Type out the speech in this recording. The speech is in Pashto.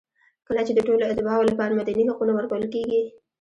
کله چې د ټولو اتباعو لپاره مدني حقونه ورکول کېږي.